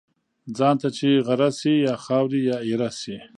ځان ته چی غره شی ، یا خاوري یا ايره شی .